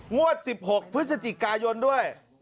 งวด๑๖พฤศจิกายนด้วย